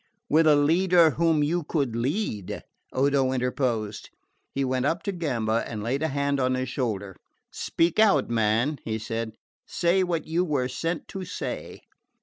"With a leader whom you could lead," Odo interposed. He went up to Gamba and laid a hand on his shoulder. "Speak out, man," he said. "Say what you were sent to say.